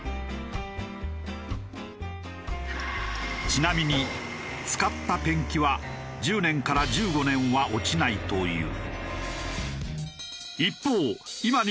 ちなみに使ったペンキは１０年から１５年は落ちないという。